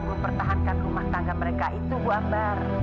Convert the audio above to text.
untuk mempertahankan rumah tangga mereka itu welgar